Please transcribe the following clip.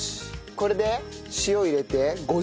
これで塩入れて５０分！？